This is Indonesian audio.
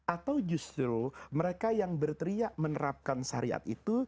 atau justru mereka yang berteriak menerapkan syariat itu